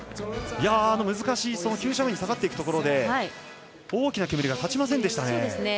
難しい急斜面に下がっていくところで大きな煙が立ちませんでしたね。